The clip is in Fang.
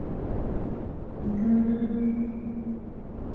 Enyunyung.